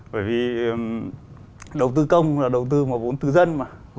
bởi vì đầu tư công là đầu tư mà vốn tự dân mà